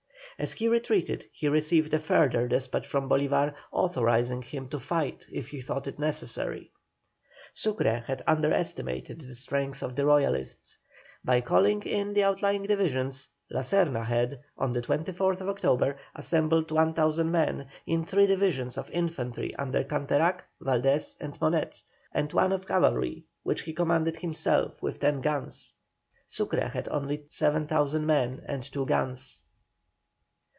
As he retreated he received a further despatch from Bolívar authorising him to fight if he thought it necessary. Sucre had under estimated the strength of the Royalists. By calling in the outlying divisions La Serna had, on the 24th October, assembled 10,000 men, in three divisions of infantry under Canterac, Valdés, and Monet, and one of cavalry, which he commanded himself, with ten guns. Sucre had only 7,000 men and two guns.